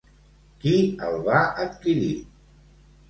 Qui el va adquirir?